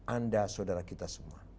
anda saudara kita semua